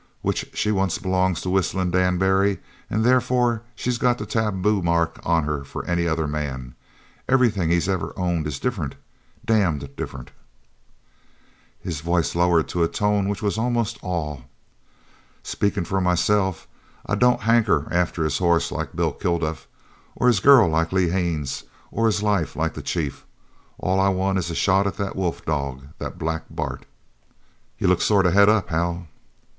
Which she once belongs to Whistlin' Dan Barry an' therefore she's got the taboo mark on her for any other man. Everything he's ever owned is different, damned different!" His voice lowered to a tone which was almost awe. "Speakin' for myself, I don't hanker after his hoss like Bill Kilduff; or his girl, like Lee Haines; or his life, like the chief. All I want is a shot at that wolf dog, that Black Bart!" "You look sort of het up, Hal."